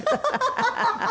ハハハハ！